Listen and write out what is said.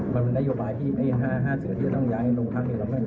มันมีนโยบายที่ห้าเสือทองทัพย้ายให้ลงทัพ